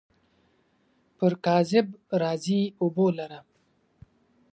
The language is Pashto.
پر کاذب راځي اوبو لره.